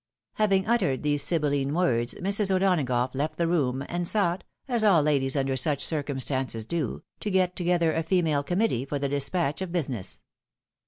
Having uttered these sibylline words, Mrs. O'Donagough left the room, and sought, as all ladies under such circumstances do, to get together a female committee for the despatch of busi ness.